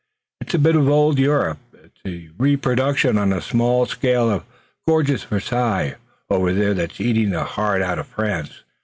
It's a bit of old Europe, it's a reproduction on a small scale of the gorgeous Versailles over there that's eating the heart out of France.